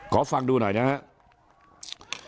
ขอฟังดูหน่อยนะครับ